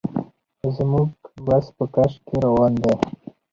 زموږ بس په کش کې روان دی.